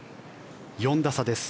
４打差です。